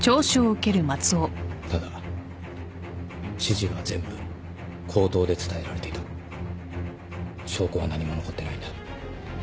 ただ指示は全部口頭で伝えられていた証拠は何も残ってないんだ